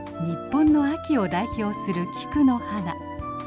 日本の秋を代表する菊の花。